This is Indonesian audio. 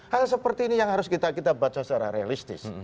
hal seperti ini yang harus kita baca secara realistis